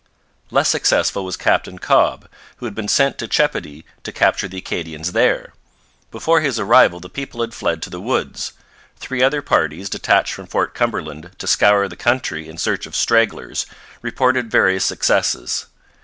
Less successful was Captain Cobb, who had been sent to Chepody to capture the Acadians there. Before his arrival the people had fled to the woods. Three other parties, detached from Fort Cumberland to scour the country in search of stragglers, reported various successes.